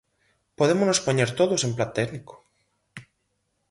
Podémonos poñer todos en plan técnico.